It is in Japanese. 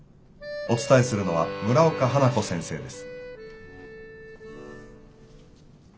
お伝えするのは村岡花子先生です。